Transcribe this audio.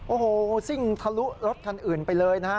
โอ้โหซิ่งทะลุรถคันอื่นไปเลยนะฮะ